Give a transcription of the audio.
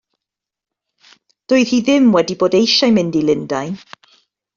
Doedd hi ddim wedi bod eisiau mynd i Lundain.